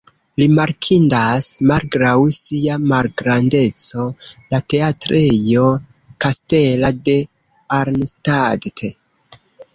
Rimarkindas, malgraŭ sia malgrandeco, la Teatrejo kastela de Arnstadt.